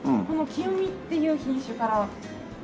この清見っていう品種から。